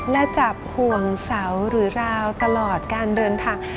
และจับห่วงเสาหรือราวตลอดการเดินทาง